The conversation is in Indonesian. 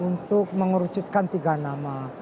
untuk menguruskan tiga nama